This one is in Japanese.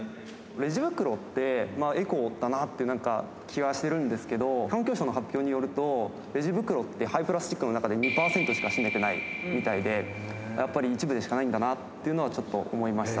レジ袋って、エコだなって、なんか気がしてるんですけど、環境省の発表によると、レジ袋って、廃プラスチックの中で２％しか占めてないみたいで、やっぱり一部でしかないんだなというのはちょっと思いました。